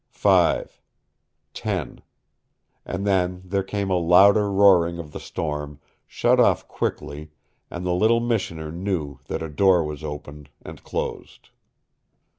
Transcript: Five. Ten. And then there came a louder roaring of the storm, shut off quickly, and the little Missioner knew that a door was opened and closed.